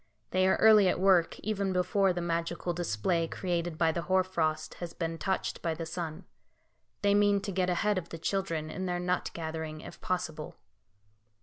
They are early at work, even before the magical display created by the hoar frost has been touched by the sun. They mean to get ahead of the children in their nut gathering, if possible.